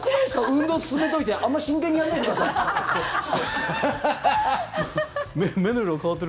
運動勧めといて、あんまり真剣にやらないでくださいって。